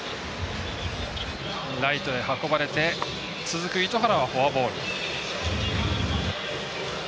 ライトへ運ばれて続く糸原はフォアボール。